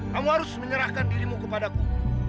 kamu harus menyerahkan dirimu kepadaku